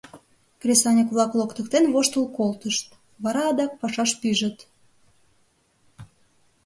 Кресаньык-влак лоткыктен воштыл колтышт, вара адак пашаш пижыт.